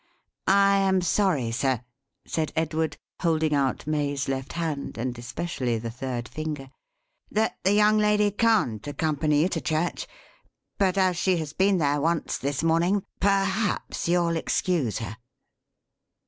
"I am sorry Sir," said Edward, holding out May's left hand, and especially the third finger, "that the young lady can't accompany you to church; but as she has been there once, this morning, perhaps you'll excuse her."